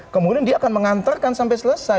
kemudian dia akan mengantarkan sampai selesai